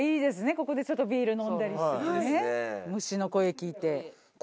ここでちょっとビール飲んだり虫の声聞いて。